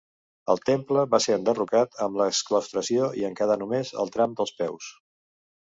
El temple va ser enderrocat amb l'exclaustració, i en quedà només el tram dels peus.